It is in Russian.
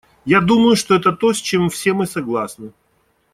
Я думаю, что это то, с чем все мы согласны.